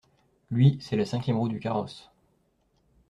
Lui, c’est la cinquième roue du carrosse.